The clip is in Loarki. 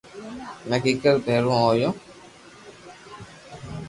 ھمو ڪيڪير ڀيرو ھووُ